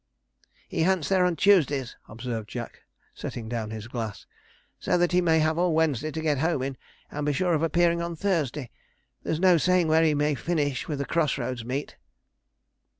'He hunts there on Tuesdays,' observed Jack, setting down his glass, 'so that he may have all Wednesday to get home in, and be sure of appearing on Thursday. There's no saying where he may finish with a cross roads' meet.'